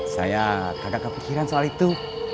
saya kadang kepikiran soal itu